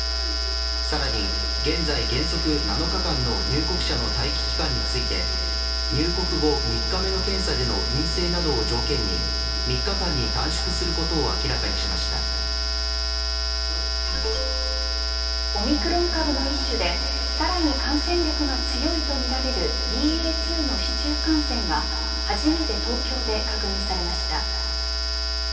さらに、現在原則、７日間の入国者の待機期間について入国後３日目の検査での陰性などを条件に３日間に短縮することをオミクロン株の一種でさらに感染力が強いとみられるＢＡ．２の市中感染が初めて東京で確認されました。